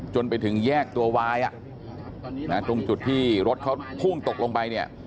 จนไปถึงแยกตัววายตรงจุดที่รถเขาพุ่งตกลงไปเนี่ย